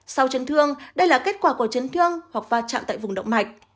sau chân thương đây là kết quả của chấn thương hoặc va chạm tại vùng động mạch